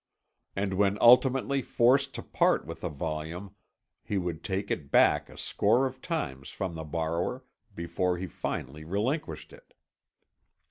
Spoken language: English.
And when ultimately forced to part with a volume he would take it back a score of times from the borrower before he finally relinquished it.